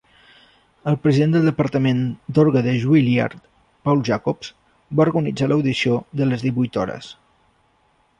El president del Departament d'Orgue de Juilliard, Paul Jacobs, va organitzar l'audició de les divuit hores.